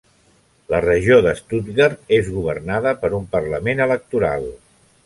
La Regió de Stuttgart és governada per un parlament electoral.